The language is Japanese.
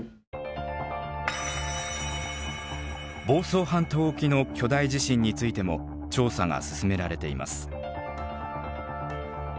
房総半島沖の巨大地震についても調査が進められています。